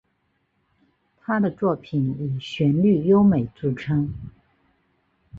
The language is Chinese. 他的作品以旋律优美着称。